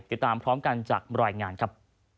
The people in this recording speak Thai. ติดตามพร้อมกันจากรายงานครับ